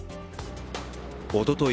おととい